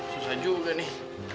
susah juga nih